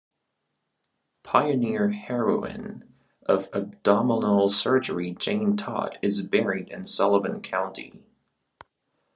Pioneer heroine of abdominal surgery Jane Todd is buried in Sullivan County.